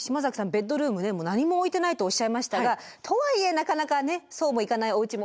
ベッドルームね何も置いてないとおっしゃいましたがとはいえなかなかそうもいかないおうちも多くて。